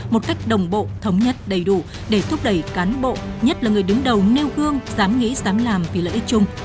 một cách đồng bộ thống nhất đầy đủ để thúc đẩy cán bộ nhất là người đứng đầu nêu gương dám nghĩ dám làm vì lợi ích chung